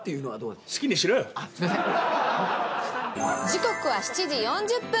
時刻は７時４０分。